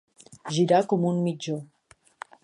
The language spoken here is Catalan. Girar com un mitjó.